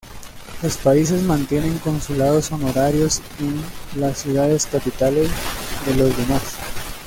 Los países mantienen consulados honorarios en las ciudades capitales de los demás.